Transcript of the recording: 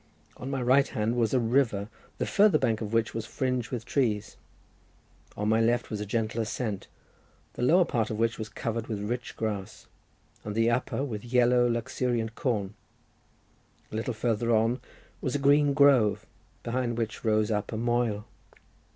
On my right hand was a river, the farther bank of which was fringed with trees; on my left was a gentle ascent, the lower part of which was covered with rich grass, and the upper with yellow, luxuriant corn; a little farther on was a green grove, behind which rose up a moel.